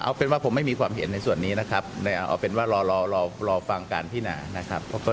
เอาเป็นว่าผมไม่มีความเห็นในส่วนนี้นะครับเอาเป็นว่ารอฟังการพินานะครับ